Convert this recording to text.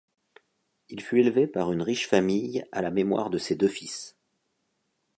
Il fut élevé par une riche famille à la mémoire de ses deux fils.